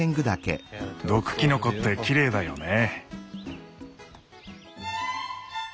毒キノコってきれいだよね。